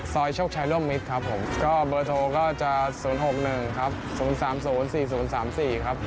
ซอยโชคชายร่วมมิตรครับผมก็เบอร์โทรก็จะ๐๖๑๐๓๐๔๐๓๓